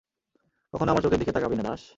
কখনও আমার চোখের দিকে তাকাবি না, দাস।